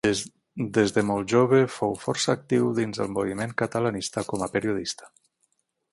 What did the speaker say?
Des de molt jove fou força actiu dins el moviment catalanista com a periodista.